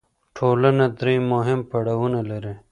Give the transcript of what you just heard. ټولنه درې مهم پړاوونه لري.